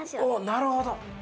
なるほど。